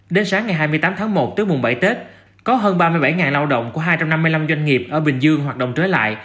đến sáng ngày hai mươi tám tháng một tức mùng bảy tết có hơn ba mươi bảy lao động của hai trăm năm mươi năm doanh nghiệp ở bình dương hoạt động trở lại